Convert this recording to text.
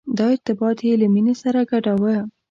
دا ارتباط یې له مینې سره ګډاوه.